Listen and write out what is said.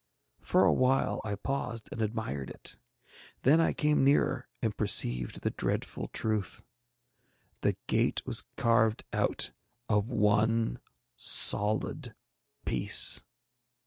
For a while I paused and admired it, then I came nearer and perceived the dreadful truth. The gate was carved out of one solid piece!